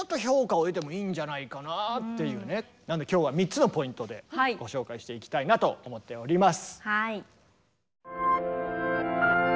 今日は３つのポイントでご紹介していきたいなと思っております。